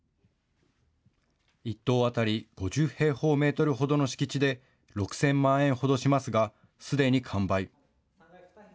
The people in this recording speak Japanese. １棟当たり５０平方メートルほどの敷地で６０００万円ほどしますがすでに完売。